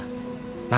kita tidak boleh